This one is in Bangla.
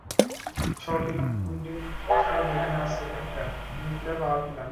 শহরটির নাম উইন্ডেন শহর যেখানে আছে একটা নিউক্লিয়ার পাওয়ারপ্ল্যান্ট।